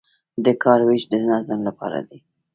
د کار ویش د نظم لپاره دی